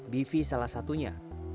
bivi salah satunya